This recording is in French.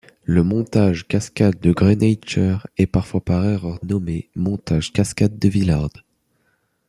Le montage cascade de Greinacher est parfois par erreur nommé montage cascade de Villard.